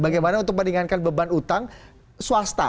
bagaimana untuk meringankan beban utang swasta